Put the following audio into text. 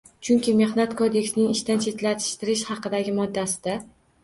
Chunki Mehnat kodeksining ishdan chetlashtirish haqidagi moddasida